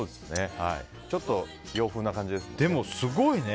ちょっと洋風な感じですね。